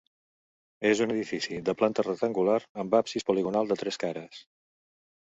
És un edifici de planta rectangular amb absis poligonal de tres cares.